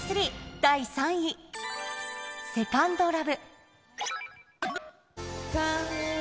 第３位、セカンド・ラブ。